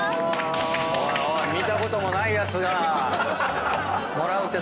おいおい見たこともないやつがもらうってどういうことだ